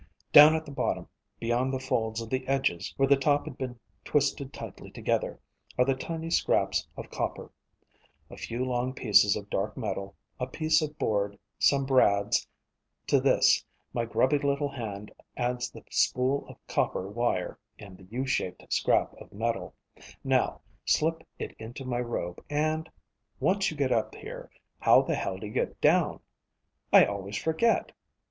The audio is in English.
Down at the bottom, beyond the folds of the edges where the top had been twisted tightly together, are the tiny scraps of copper, a few long pieces of dark metal, a piece of board, some brads. To this my grubby little hand adds the spool of copper wire and the U shaped scrap of metal. Now, slip it into my robe and once you get up here, how the hell do you get down? I always forget.